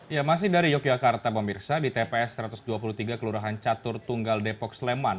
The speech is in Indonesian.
ya masih dari yogyakarta pemirsa di tps satu ratus dua puluh tiga kelurahan catur tunggal depok sleman